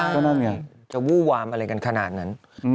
เพื่อแก้วูวามอะไรกันขนาดนั้น